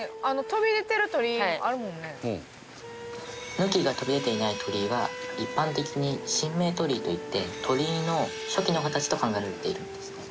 貫が飛び出ていない鳥居は一般的に神明鳥居といって鳥居の初期の形と考えられているんですね。